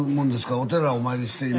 お寺お参りして今。